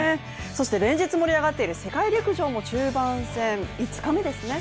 連日盛り上がっている世界陸上も中盤戦、５日目ですね。